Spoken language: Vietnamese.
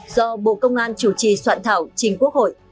do bộ công an chủ trì soạn thảo trình quốc hội